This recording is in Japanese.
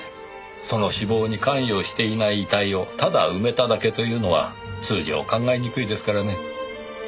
その死亡に関与していない遺体をただ埋めただけというのは通常考えにくいですからね。